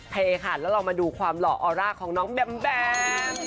เทค่ะแล้วเรามาดูความหล่อออร่าของน้องแบมแบม